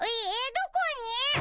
どこに？